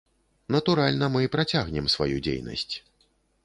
Натуральна, мы працягнем сваю дзейнасць.